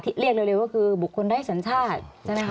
เรียกเร็วก็คือบุคคลไร้สัญชาติใช่ไหมคะ